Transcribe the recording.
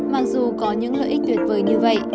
mặc dù có những lợi ích tuyệt vời như vậy